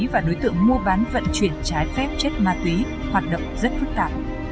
và đối tượng mua bán vận chuyển trái phép chất ma túy hoạt động rất phức tạp